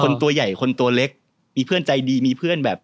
ตัวใหญ่คนตัวเล็กมีเพื่อนใจดีมีเพื่อนแบบ